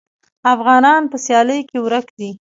افغانان په سیالۍ کې ورک دي.